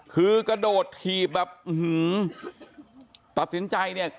คือกระโดดถีบแบบอื้อหือตัดสินใจเนี่ย